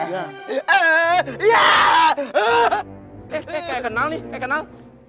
ya kayak kenal nih kayak kenal